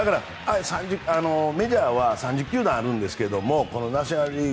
メジャーは３０球団あるんですけどナショナル・リーグ